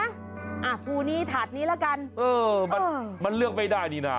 อ่าปูนี้ถาดนี้ละกันเออมันมันเลือกไม่ได้นี่น่ะ